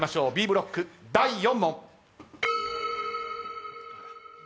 Ｂブロック第４問。